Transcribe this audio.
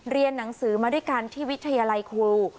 เรียนหนังสือมาด้วยกันที่วิทยาลัยครู